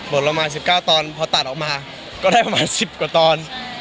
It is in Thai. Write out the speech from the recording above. ประมาณ๑๙ตอนพอตัดออกมาก็ได้ประมาณ๑๐กว่าตอน